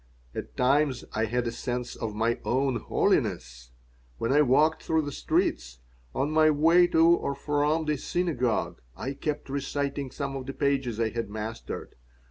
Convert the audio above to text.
At times I had a sense of my own holiness. When I walked through the streets, on my way to or from the synagogue, I kept reciting some of the pages I had mastered.